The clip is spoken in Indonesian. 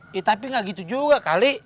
ya tapi nggak gitu juga kali